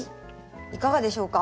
いかがでしょうか？